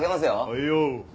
はいよ。